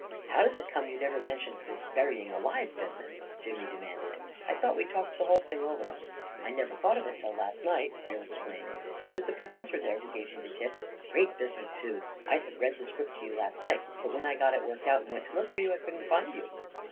" How does it come you never mentioned this burying alive business?" Jimmy demanded. " I thought we talked the whole thing over." " I never thought of it till last night," Creel ex plained. " It was the professor there who gave me the tip. Great business, too. I'd have read the script to you last night, but when I got it worked out and went to look for you, I couldn't find you."